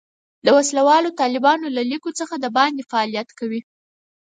د وسله والو طالبانو له لیکو څخه د باندې فعالیت کوي.